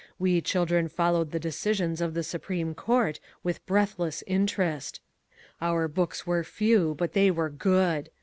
We children followed the decisions of the Supreme Court with breathless interest. Our books were few but they were GOOD.